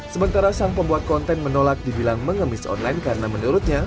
sementara sang pembuat konten menolak dibilang mengemis online karena menurutnya